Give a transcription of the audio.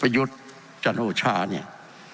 ประยุทธจรณโอชาเนี่ย